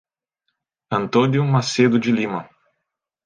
Antônio Macedo de Lima